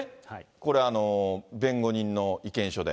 これ、弁護人の意見書で。